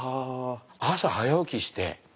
朝早起きして。